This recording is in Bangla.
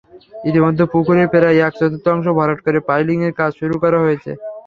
ইতিমধ্যে পুকুরের প্রায় এক-চতুর্থাংশ ভরাট করে পাইলিংয়ের কাজ শুরু করা হয়েছে।